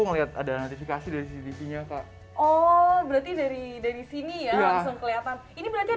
melihat ada notifikasi dari cctv nya kak oh berarti dari dari sini ya langsung kelihatan ini berarti